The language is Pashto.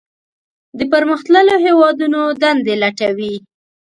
د پرمختللو هیوادونو دندې لټوي.